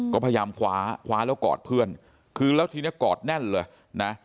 ก็พยายามคว้าคว้าแล้วกอดเพื่อนคือแล้วทีนี้กอดแน่นเลยนะ